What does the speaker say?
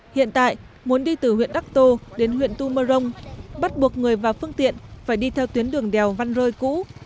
hiện tại muốn đi từ huyện đắc tô đến huyện tumorong bắt buộc người và phương tiện phải đi theo tuyến đường đèo văn rơi cũ